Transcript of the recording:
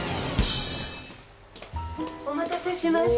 ・お待たせしました。